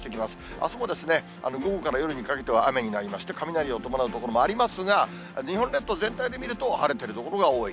あすも午後から夜にかけては雨になりまして、雷を伴う所もありますが、日本列島、全体で見ると、晴れてる所が多い。